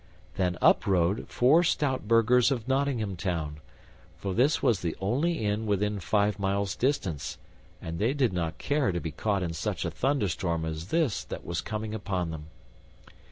Then up rode four stout burghers of Nottingham Town, for this was the only inn within five miles' distance, and they did not care to be caught in such a thunderstorm as this that was coming upon them.